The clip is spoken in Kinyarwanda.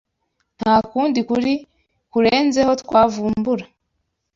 nta kundi kuri kurenzeho twavumbura